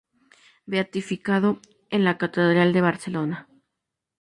Beatificado en la Catedral de Barcelona.